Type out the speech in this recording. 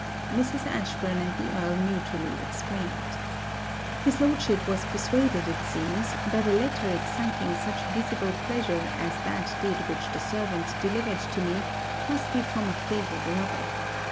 Mrs. Ashburn and the Earl mutually explained. His Lordship was persuaded, it seems, that a letter exciting such visible pleasure as that did which the servant delivered to me must be from a favoured lover.